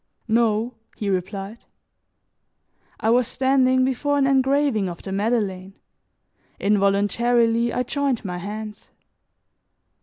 "No," he replied. I was standing before an engraving of the Madeleine. Involuntarily I joined my hands.